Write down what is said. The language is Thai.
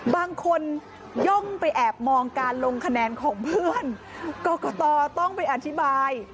บางคนย่องไปแอบมองการลงคะแนนของเพื่อนกรกตต้องไปอธิบาย